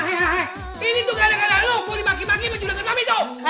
hehehe ini tuh gara gara lo gue dimaki maki sama julagan mami tuh